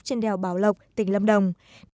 trên đèo bảo lộc tỉnh lâm đồng